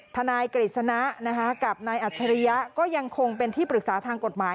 นายกฤษณะกับนายอัจฉริยะก็ยังคงเป็นที่ปรึกษาทางกฎหมาย